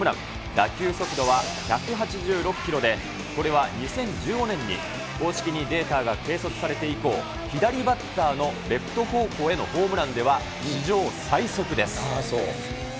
打球速度は１８６キロで、これは２０１５年に公式にデータが計測されて以降、左バッターのレフト方向へのホームランでは、史上最速です。